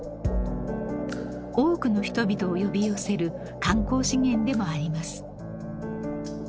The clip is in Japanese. ［多くの人々を呼び寄せる観光資源でもあります］